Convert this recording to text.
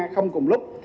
không cùng lúc